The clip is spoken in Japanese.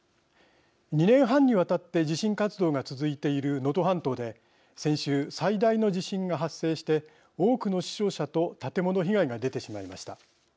２年半にわたって地震活動が続いている能登半島で先週、最大の地震が発生して多くの死傷者と建物被害が出てしまいました。